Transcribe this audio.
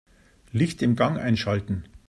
Licht im Gang einschalten.